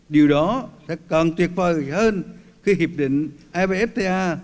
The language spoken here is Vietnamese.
điều đó sẽ còn tuyệt vời hơn khi hiệp định evfta